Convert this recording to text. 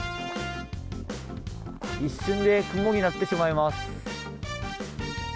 一瞬で雲になってしまいます。